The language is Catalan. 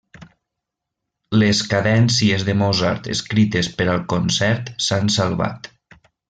Les cadències de Mozart escrites per al concert s'han salvat.